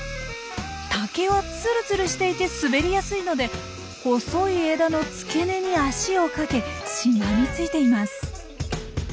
竹はつるつるしていて滑りやすいので細い枝の付け根に足を掛けしがみついています。